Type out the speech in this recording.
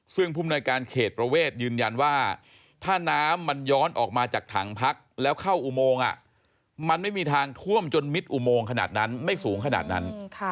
ซึ่งภูมิหน่วยการเขตประเวทยืนยันว่าถ้าน้ำมันย้อนออกมาจากถังพักแล้วเข้าอุโมงมันไม่มีทางท่วมจนมิดอุโมงขนาดนั้นไม่สูงขนาดนั้น